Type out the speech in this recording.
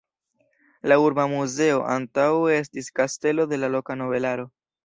La urba muzeo antaŭe estis kastelo de la loka nobelaro.